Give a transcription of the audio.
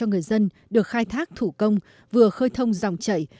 cho người dân được khai thác thủ công vừa khơi thông dòng chảy